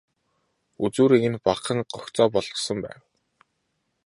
Үзүүрийг нь багахан гогцоо болгосон байв.